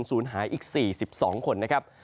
สูญหายอีก๔๒คน